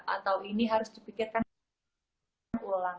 atau ini harus dipikirkan ulang